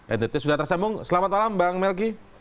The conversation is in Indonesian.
entity sudah tersembung selamat malam bang melki